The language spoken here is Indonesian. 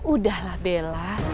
udah lah bella